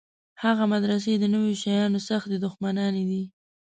هغه مدرسې د نویو شیانو سختې دښمنانې دي.